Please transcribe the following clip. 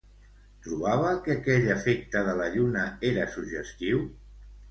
Trobava que aquell efecte de la lluna era suggestiu?